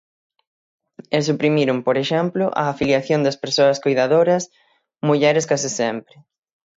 E suprimiron, por exemplo, a afiliación das persoas coidadoras, mulleres case sempre.